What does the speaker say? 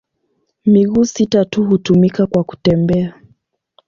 Miguu sita tu hutumika kwa kutembea.